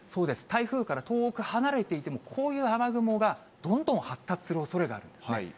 台風から遠く離れていても、こういう雨雲がどんどん発達するおそれがあるんですね。